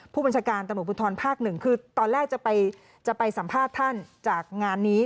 ผู้บัญชาการตำรวจภูทรภาคหนึ่งคือตอนแรกจะไปสัมภาษณ์ท่านจากงานนี้